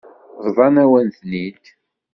Bḍan-awen-ten-id.